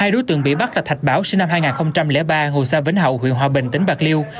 hai đối tượng bị bắt là thạch bảo sinh năm hai nghìn ba hồ xa vĩnh hậu huyện hòa bình tỉnh bạc liêu